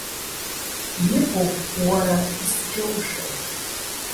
Иҟоуп, уара, исџьоушьо.